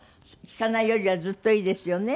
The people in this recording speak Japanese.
聞かないよりはずっといいですよね。